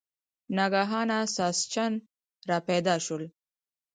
ناګهانه ساسچن را پیدا شول.